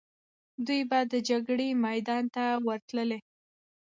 دوی به د جګړې میدان ته ورتللې.